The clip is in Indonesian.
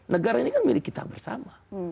negara ini kan milik kita bersama